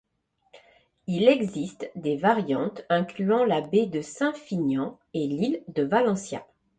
Il existe des variantes, incluant la baie de Saint Finian et l'île de Valentia.